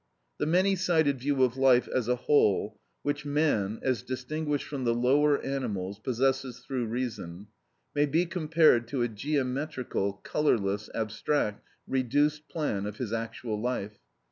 The many sided view of life as a whole which man, as distinguished from the lower animals, possesses through reason, may be compared to a geometrical, colourless, abstract, reduced plan of his actual life.